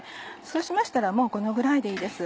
そうしましたらもうこのぐらいでいいです。